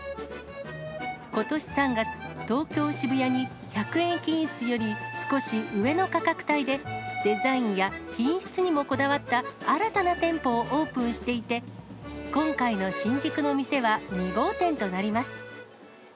ことし３月、東京・渋谷に、１００円均一より少し上の価格帯で、デザインや品質にもこだわった新たな店舗をオープンしていて、今回の新宿の店は、２号店となります。